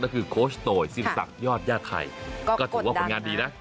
ก็คือโคชโตยสินศักดิ์ยอดย่าไทยก็ถือว่าผลงานดีนะ